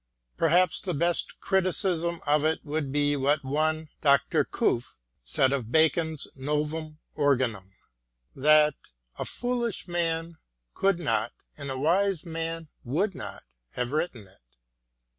Perhaps the btst criti cism of it would be what one Dr. Cuffe said of Bacon's Novum Organum, that " a foolish man could not, and a wise man would not, have written it."